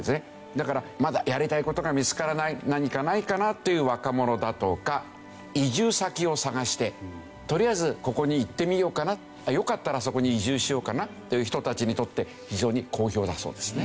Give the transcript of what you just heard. だからまだやりたい事が見つからない何かないかなという若者だとか移住先を探してとりあえずここに行ってみようかな良かったらそこに移住しようかなという人たちにとって非常に好評だそうですね。